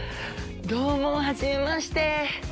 どうも、初めまして。